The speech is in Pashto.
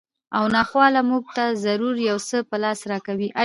او ناخواله مونږ ته ضرور یو څه په لاس راکوي